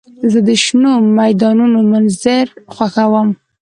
زه د شنو میدانونو منظر خوښوم.